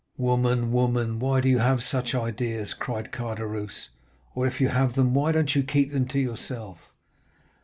"'Woman, woman—why do you have such ideas?' cried Caderousse; 'or, if you have them, why don't you keep them to yourself?